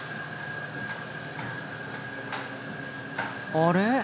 あれ？